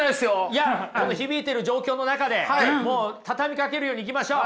いやこの響いてる状況の中でもう畳みかけるように行きましょう。